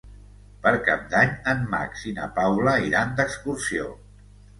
Per Cap d'Any en Max i na Paula iran d'excursió.